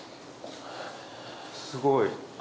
すごい。